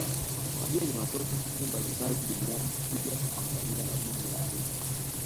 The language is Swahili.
Wageni wanatoka sehemu mablimbali duniani na kuja kuangalia madini ya aina hii